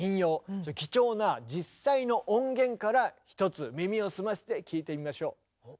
貴重な実際の音源から一つ耳を澄ませて聴いてみましょう。